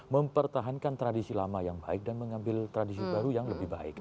mempertahankan tradisi lama yang baik dan mengambil tradisi baru yang lebih baik